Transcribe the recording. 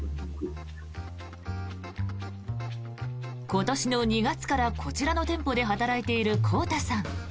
今年の２月からこちらの店舗で働いているこうたさん。